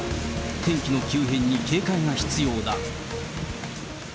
天気の急変に警戒が必要だ。